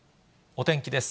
お天気です。